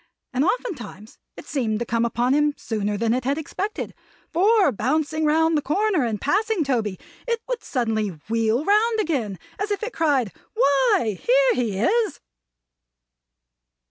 And oftentimes it seemed to come upon him sooner than it had expected, for bouncing round the corner, and passing Toby, it would suddenly wheel round again, as if it cried "Why, here he is!"